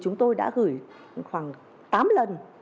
chúng tôi đã gửi khoảng tám lần